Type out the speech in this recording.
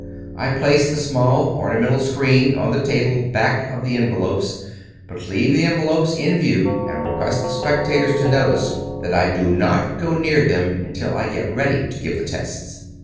I place the small ornamental screen on the table back of the envelopes, but leave the envelopes in view and request the specta tors to notice that I do not go near them until I get ready to give the tests.